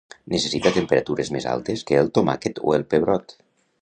Necessita temperatures més altes que el tomàquet o el pebrot.